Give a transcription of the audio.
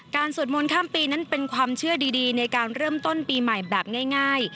สวดมนต์ข้ามปีนั้นเป็นความเชื่อดีในการเริ่มต้นปีใหม่แบบง่าย